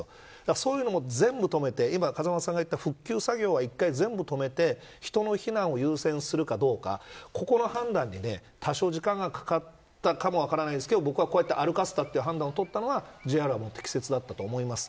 そういうのも全部、止めて今、風間さんがいった復旧作業は全部をとめて人の避難を優先するかどうかをここの判断に多少時間がかかったかも分からないですけど僕はこうやって歩かせたという判断を取ったのはＪＲは適切だったと思います。